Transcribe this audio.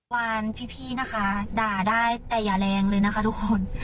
วานพี่นะคะด่าได้แต่อย่าแรงเลยนะคะทุกคน